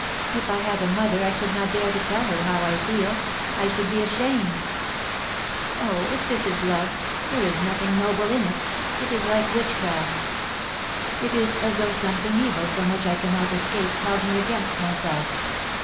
If I had a mother I should not dare to tell her how I feel — I should be ashamed. .... Oh, if this is love, there is nothing noble in it — it is like witchcraft. It b as though something evil from which I cannot escape held me against myself.